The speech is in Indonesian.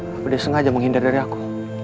kamu disengaja menghindar dari aku